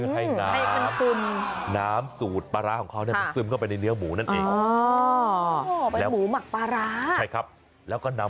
ให้น้ำสูตรปลาร้าของเขาซึมเข้ามาในเนี้ยหมูนั่นเอง